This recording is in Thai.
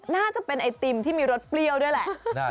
น่าจะเป็นไอติมที่มีรสเปรี้ยวด้วยแหละ